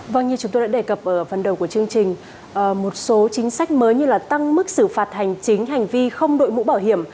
vâng như chúng tôi đã đề cập ở phần đầu của chương trình một số chính sách mới như tăng mức xử phạt hành chính hành vi không đội mũ bảo hiểm